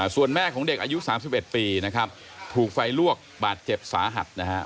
ส่วนแม่ของเด็กอายุ๓๑ปีนะครับถูกไฟลวกบาดเจ็บสาหัสนะครับ